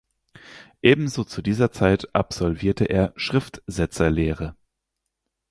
Ebenso zu dieser Zeit absolvierte er Schriftsetzerlehre.